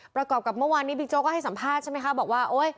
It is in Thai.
ประกอบกับเมื่อวานนี้บิ๊กโจ๊กก็ให้สัมภาษณ์ใช่ไหมคะบอกว่าโอ๊ย